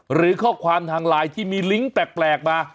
หรือข้อความทางไลน์ที่มีลิงก์แปลกมา